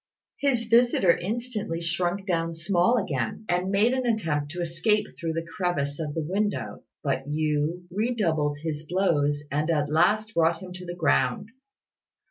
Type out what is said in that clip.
His visitor instantly shrunk down small again, and made an attempt to escape through the crevice of the window; but Yü redoubled his blows and at last brought him to the ground.